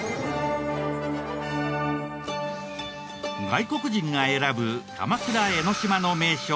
外国人が選ぶ鎌倉・江の島の名所